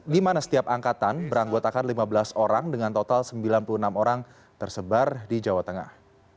di mana setiap angkatan beranggotakan lima belas orang dengan total sembilan puluh enam orang tersebar di jawa tengah